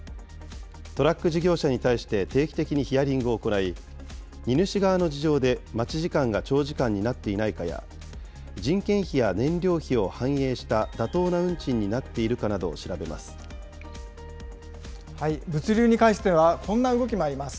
トラック事業者に対して定期的にヒアリングを行い、荷主側の事情で待ち時間が長時間になっていないかや、人件費や燃料費を反映した妥当な運賃になっているかなどを調べま物流に関してはこんな動きもあります。